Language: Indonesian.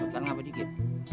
betul apa dikit